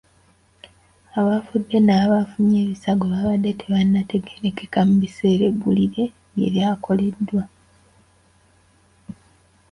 Abafudde n'abaafunye ebisago baabadde tebannategeerekeka mu kiseera eggulire we lyakoleddwa.